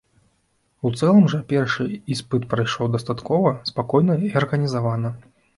У цэлым жа першы іспыт прайшоў дастаткова спакойна і арганізавана.